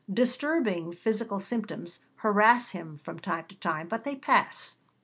Disturbing physical symptoms harass him from time to time, but they pass.